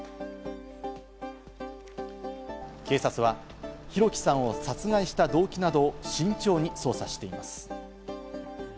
警察は、弘輝さんを殺害した動機などを慎重に捜査しています。